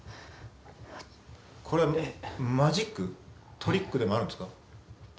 これはマジック？トリックでもあるんですか？